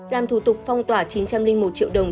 làm thủ tục phong tỏa chín trăm linh một triệu đồng